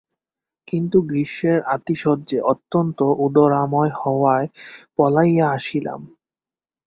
কিন্তু গ্রীষ্মের আতিশয্যে অত্যন্ত উদরাময় হওয়ায় পলাইয়া আসিলাম।